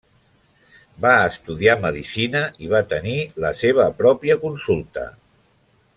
Va estudiar medicina i va tenir la seva pròpia consulta.